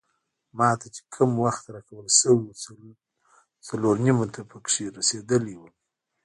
ما ته چې کوم وخت راکول شوی وو څلور نیمو ته پکې رسیدلی وم.